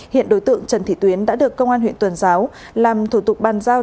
hiện đối tượng trần thị tuyến đã được công an huyện tuần giáo làm thủ tục bàn giao